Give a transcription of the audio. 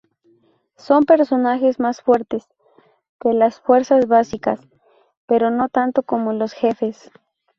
Son personajes más fuertes que las "fuerzas básicas", pero no tanto como los jefes.